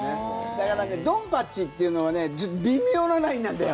だからねドンパッチっていうのは微妙なラインなんだよ。